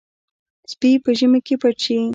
سپي په ژمي کې پټ شي.